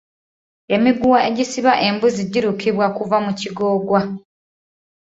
Emiguwa egisiba embuzi girukibwa kuva mu kigoogwa.